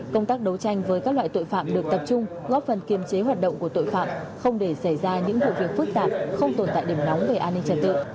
công tác đấu tranh với các loại tội phạm được tập trung góp phần kiềm chế hoạt động của tội phạm không để xảy ra những vụ việc phức tạp không tồn tại điểm nóng về an ninh trật tự